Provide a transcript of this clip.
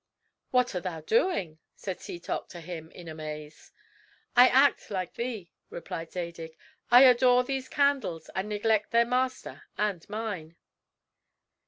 "What art thou doing?" said Setoc to him in amaze. "I act like thee," replied Zadig, "I adore these candles, and neglect their master and mine."